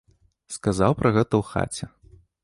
Сказаў пра гэта ў хаце.